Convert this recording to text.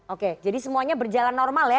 oke jadi semuanya berjalan normal ya